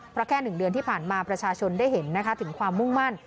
เพราะแค่๑เดือนที่ผ่านมาประชาชนได้เห็นนะคะถึงความมุ่งมั่น